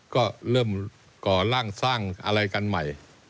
ก็เริ่มก่อร่างสร้างอะไรกันใหม่